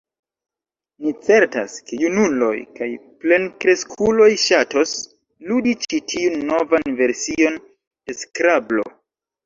Ni certas, ke junuloj kaj plenkreskuloj ŝatos ludi ĉi tiun novan version de Skrablo.